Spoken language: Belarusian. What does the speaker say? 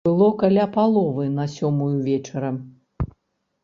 Было каля паловы на сёмую вечара.